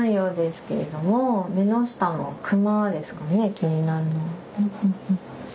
気になるのは。